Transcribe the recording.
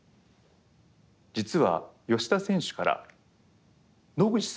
実は吉田選手から野口さんへ。